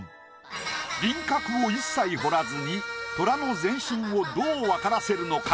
輪郭を一切彫らずにトラの全身をどう分からせるのか？